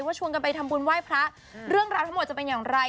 ชวนกันไปทำบุญไหว้พระเรื่องราวทั้งหมดจะเป็นอย่างไร